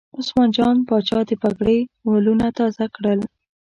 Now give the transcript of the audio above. عثمان جان پاچا د پګړۍ ولونه تازه کړل.